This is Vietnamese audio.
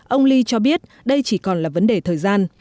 ông lee cho biết đây chỉ còn là vấn đề thời gian